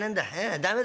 駄目だい」。